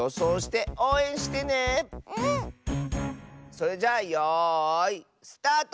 それじゃあよいスタート！